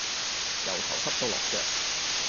由頭濕到落腳